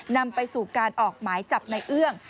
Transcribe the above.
นำไปสู่การออกหมายจับในเอื้อง